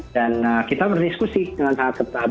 dan kita berdiskusi dengan sangat ketat